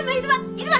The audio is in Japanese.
いるわ！